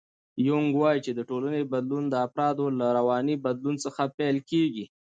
یونګ وایي چې د ټولنې بدلون د افرادو له رواني بدلون څخه پیل کېږي.